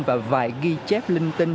và vài ghi chép linh tinh